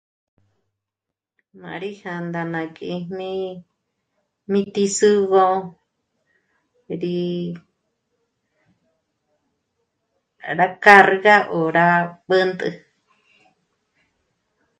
Ma rí jā̀ndā ná kìjmi mí ti'i sû'ugö rí 'ä́rä cā̂rga 'òra b'ǚntjü